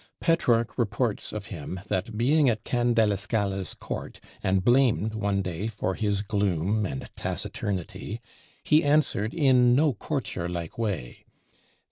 Petrarch reports of him that being at Can della Scala's court, and blamed one day for his gloom and taciturnity, he answered in no courtier like way.